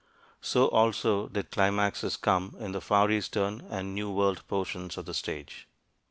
So also did climaxes come in the Far Eastern and New World portions of the stage.